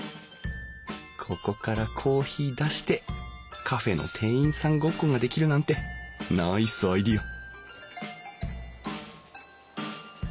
ここからコーヒー出してカフェの店員さんごっこができるなんてナイスアイデア！